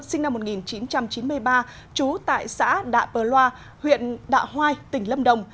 sinh năm một nghìn chín trăm chín mươi ba trú tại xã đạ bờ loa huyện đạ hoai tỉnh lâm đồng